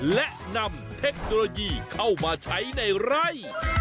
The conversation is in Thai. และนำเทคโนโลยีเข้ามาใช้ในไร่